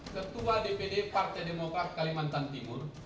ketua dpd partai demokrat kalimantan timur